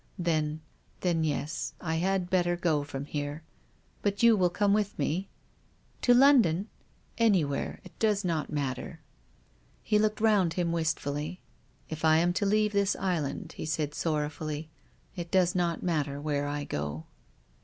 " Then — then, yes, I had better go from here, liat you will come with me ?"" To Londf)n ?"" Anywhere — it does not matter." 102 tongup:s of conscience. He looked round him wistfully. "HI am to leave the island," he said sorrow fully, " it docs not matter where I go."